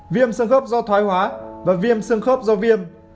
viêm sơ khớp do thoái hóa và viêm xương khớp do viêm